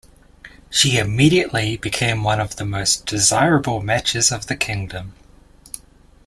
She immediately became one of the most desirable matches of the kingdom.